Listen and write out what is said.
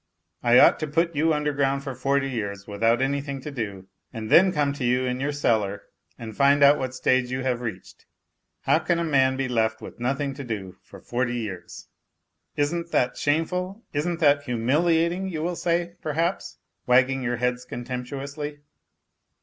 " I ought to put you underground for forty years without anything to do and then come to you in your cellar, to find out what stage you have reached 1 How can a man be left with nothing to do for forty years ?"" Isn't that shameful, isn't that humiliating ?" you will say, perhaps, wagging your heads contemptuously.